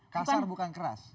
kasar bukan keras